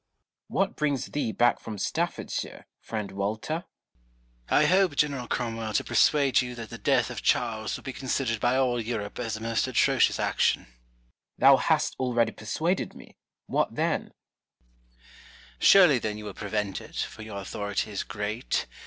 ] Cromwell, What brings thee back from Staffordshire, friend Walter ? Nohle. 1 hope, General Cromwell, to persuade you that the death of Charles will be considered by all Europe as a most atrocious action. Cromivell. Thou hast already persuaded me : what theni Noble. Surely, then, you will prevent it, for your authority is great.